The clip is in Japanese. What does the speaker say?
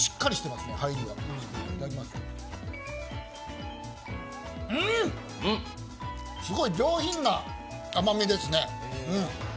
すごい上品な甘みですね。